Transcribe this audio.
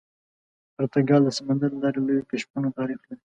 پرتګال د سمندر له لارې لویو کشفونو تاریخ لري.